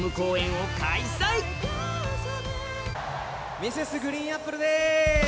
Ｍｒｓ．ＧＲＥＥＮＡＰＰＬＥでーす！